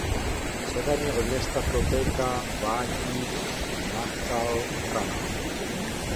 Severně od města protéká vádí Nachal Kana.